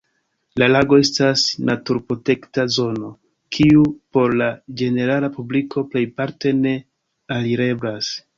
La lago estas naturprotekta zono, kiu por la ĝenerala publiko plejparte ne alireblas.